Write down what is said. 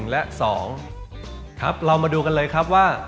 และ๒ครับเรามาดูกันเลยครับว่า